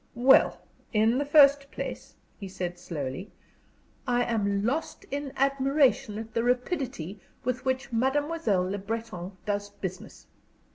"Well, in the first place," he said, slowly, "I am lost in admiration at the rapidity with which Mademoiselle Le Breton does business.